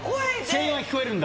声援は聞こえるんだ。